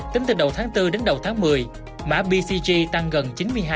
tính từ đầu tháng bốn đến đầu tháng một mươi mã bcg tăng gần chín mươi hai